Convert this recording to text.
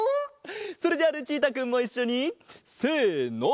それじゃあルチータくんもいっしょにせの！